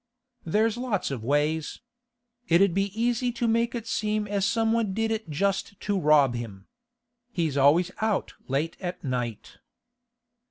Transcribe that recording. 'There's lots of ways. It 'ud be easy to make it seem as somebody did it just to rob him. He's always out late at night.